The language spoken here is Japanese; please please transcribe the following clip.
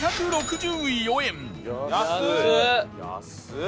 安っ！